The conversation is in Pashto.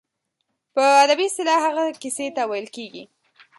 په ادبي اصطلاح هغې کیسې ته ویل کیږي.